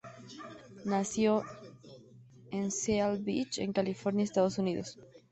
Nació en Seal Beach, en California, Estados Unidos.